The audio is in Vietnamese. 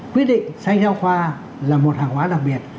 quyết định sách giáo khoa là một hàng hóa đặc biệt